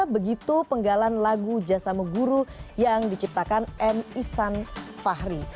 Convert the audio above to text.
begitu penggalan lagu jasa meguru yang diciptakan m isan fahri